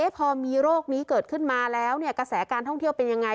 พอมีโรคนี้เกิดขึ้นมาแล้วกระแสการท่องเที่ยวเป็นยังไง